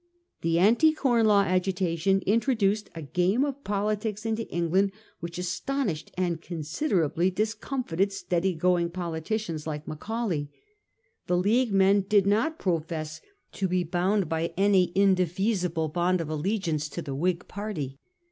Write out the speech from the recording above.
The Anti Corn Law agitation introduced a game of politics into Eng land which astonished and considerably discomfited steady going politicians like Macaulay. The League men did not profess to be bound by any indefeasible bond of allegiance to the Whig party.